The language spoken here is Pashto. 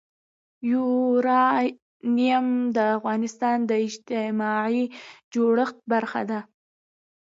یورانیم د افغانستان د اجتماعي جوړښت برخه ده.